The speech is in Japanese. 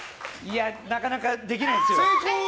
なかなかできないですよ。